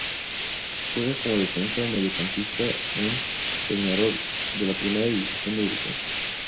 Juega como defensa o mediocampista en Peñarol, de la Primera División de Uruguay.